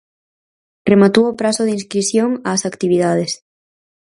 Rematou o prazo de inscrición ás actividades